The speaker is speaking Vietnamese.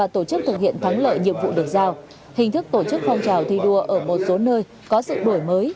tổ chức thực hiện thắng lợi nhiệm vụ được giao hình thức tổ chức phong trào thi đua ở một số nơi có sự đổi mới